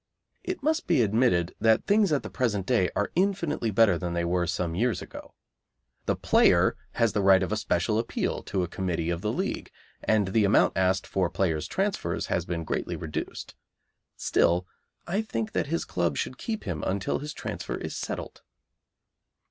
It must be admitted that things at the present day are infinitely better than they were some years ago. The player has the right of a special appeal to a Committee of the League, and the amount asked for players' transfers has been greatly reduced. Still, I think that his club should keep him until his transfer is settled.